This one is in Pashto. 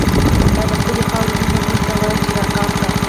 لا دخپلی خاوری مینه، مونږ ته وایی چه ر ا پا څۍ